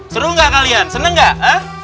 seru gak kalian seneng gak